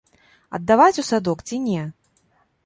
Аддаваць у садок ці не?